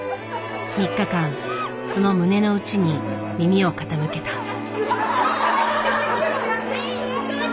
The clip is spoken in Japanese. ３日間その胸の内に耳を傾けた。